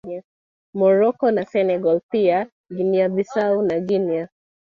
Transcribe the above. Morocco na Senegal pia Guinea Bissau na Guinea